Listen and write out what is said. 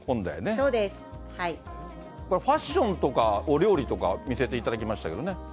これ、ファッションとかお料理とか、見せていただきましたけどね。